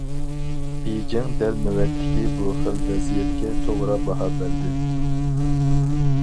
بېيجىڭ دەل نۆۋەتتىكى بۇ خىل ۋەزىيەتكە توغرا باھا بەردى.